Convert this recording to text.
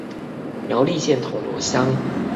苗栗縣銅鑼鄉